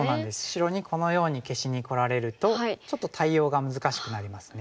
白にこのように消しにこられるとちょっと対応が難しくなりますね。